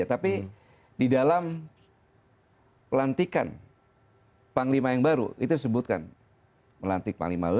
tapi di dalam pelantikan panglima yang baru itu disebutkan melantik panglima baru